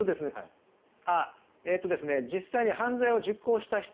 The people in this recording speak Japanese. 実際に犯罪を実行した人